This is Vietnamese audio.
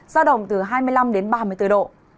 ra động từ hai mươi năm đến ba mươi bốn độ